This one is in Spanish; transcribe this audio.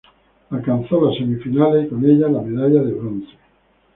Alcanzó las semifinales, y con ello la medalla de bronce.